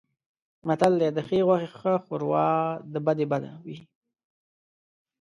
متل دی: د ښې غوښې ښه شوروا د بدې بده وي.